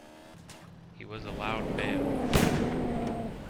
He was allowed bail.